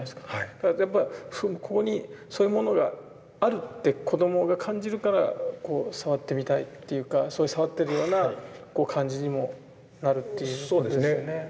だからやっぱりここにそういうものがあるって子どもが感じるからこう触ってみたいっていうかそれ触ってるようなこう感じにもなるっていうことですよね。